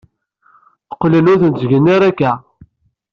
Qqlen ur ten-ttgen ara akka.